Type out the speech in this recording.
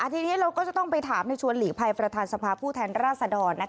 ทีนี้เราก็จะต้องไปถามในชวนหลีกภัยประธานสภาพผู้แทนราษดร